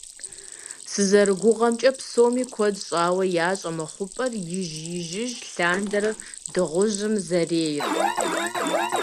СызэригугъэмкӀэ, псоми куэд щӀауэ ящӀэ мы хъупӀэр ижь-ижьыж лъандэрэ дыгъужьым зэрейр.